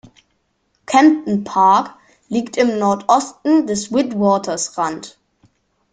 Kempton Park liegt im Nordosten des Witwatersrand.